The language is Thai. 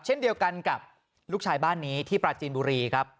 เช่นเดียวกันกับลูกชายบ้านนี้ที่ปราจีนบุรีครับ